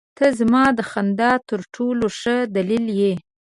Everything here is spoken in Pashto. • ته زما د خندا تر ټولو ښه دلیل یې.